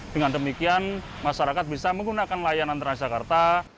dengan demikian masyarakat bisa menggunakan layanan transjakarta